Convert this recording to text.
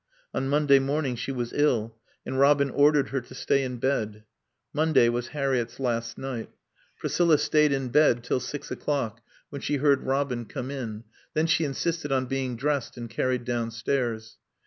On Monday morning she was ill, and Robin ordered her to stay in bed. Monday was Harriett's last night. Priscilla stayed in bed till six o'clock, when she heard Robin come in; then she insisted on being dressed and carried downstairs.